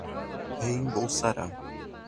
reembolsará